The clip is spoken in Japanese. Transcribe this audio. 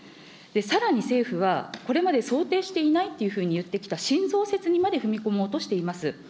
さらに政府は、これまで想定していないというふうに言ってきた新増設にまで踏み込もうとしています。